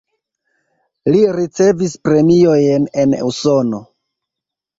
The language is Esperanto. Li ricevis premiojn en Usono.